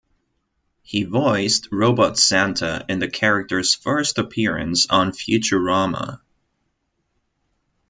He voiced Robot Santa in the character's first appearance on "Futurama".